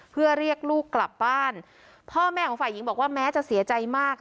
เพื่อเรียกลูกกลับบ้านพ่อแม่ของฝ่ายหญิงบอกว่าแม้จะเสียใจมาก